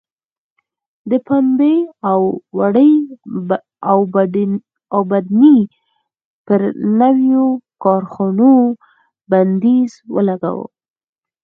د پنبې او وړۍ اوبدنې پر نویو کارخونو بندیز ولګاوه.